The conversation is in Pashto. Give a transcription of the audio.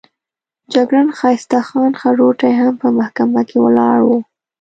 جګړن ښایسته خان خروټی هم په محکمه کې ولاړ وو.